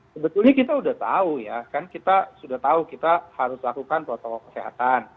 sebetulnya kita sudah tahu ya kan kita sudah tahu kita harus lakukan protokol kesehatan